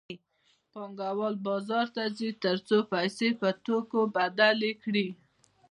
پانګوال بازار ته ځي تر څو پیسې په توکو بدلې کړي